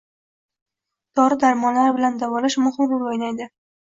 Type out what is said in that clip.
Dori-darmonlar bilan davolash muhim rol o‘ynaydi.